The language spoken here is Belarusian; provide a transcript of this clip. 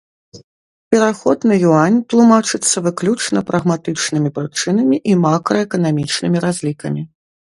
Пераход на юань тлумачыцца выключна прагматычнымі прычынамі і макраэканамічнымі разлікамі.